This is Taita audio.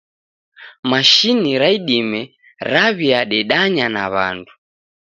Mashini ra idime riaw'iadedanya na w'andu